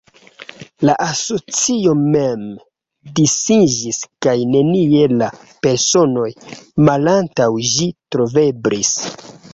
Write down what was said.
La asocio mem disiĝis kaj nenie la personoj malantaŭ ĝi troveblis.